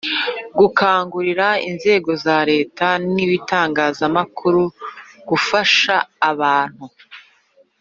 Gukangurira inzego za Leta n ibitangazamakuru gufasha abantu